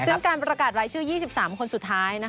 ซึ่งการประกาศรายชื่อ๒๓คนสุดท้าย